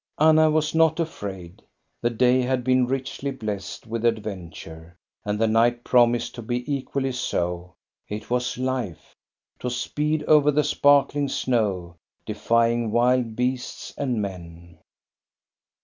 Anna was not afraid. The day had been richly blessed with adventure, and the night promised to be equally so. It was life, — to speed over the sparkling snow, defying wild beasts and men.